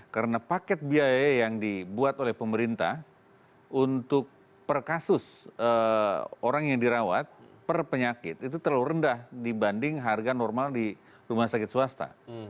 karena paket biaya yang dibuat oleh pemerintah untuk per kasus orang yang dirawat per penyakit itu terlalu rendah dibanding harga normal di rumah sakit swasta